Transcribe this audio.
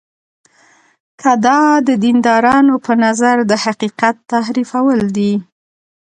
که دا د دیندارانو په نظر د حقیقت تحریفول دي.